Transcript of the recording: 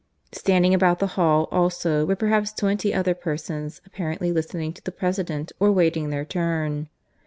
Standing about the hall also were perhaps twenty other persons apparently listening to the President or waiting their turn.